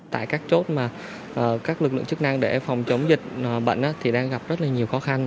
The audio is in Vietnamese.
tại các chốt mà các lực lượng chức năng để phòng chống dịch bệnh thì đang gặp rất là nhiều khó khăn